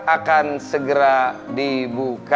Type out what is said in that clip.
akan segera dibuka